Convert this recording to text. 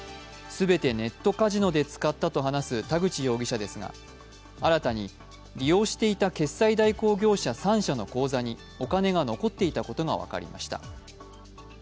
全てネットカジノで使ったと話す田口容疑者ですが新たに、利用していた決済代行業者３社の口座にお金が残っていたことが分かりました。